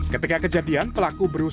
ketika kejadian pelaku berusaha